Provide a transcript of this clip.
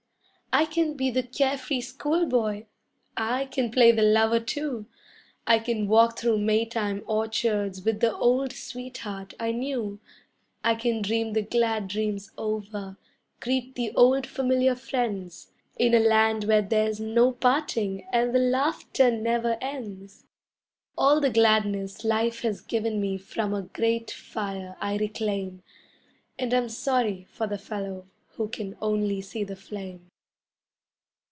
I can be the care free schoolboy! I can play the lover, too! I can walk through Maytime orchards with the old sweetheart I knew; I can dream the glad dreams over, greet the old familiar friends In a land where there's no parting and the laughter never ends. All the gladness life has given from a grate fire I reclaim, And I'm sorry for the fellow who can only see the flame.